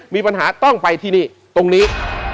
มีปัญหาต้องไปที่นี่ตรงนี้